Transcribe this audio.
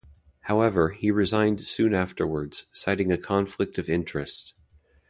However, he resigned soon afterwards, citing a conflict of interest.